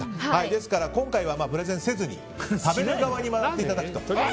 ですから今回はプレゼンせずに食べる側に回っていただくと。